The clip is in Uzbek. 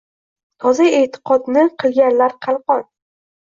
Toza e’tiqodni qilganlar qalqon –